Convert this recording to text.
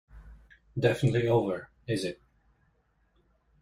Definitely over, is it?